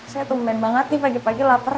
saya tumben banget nih pagi pagi lapar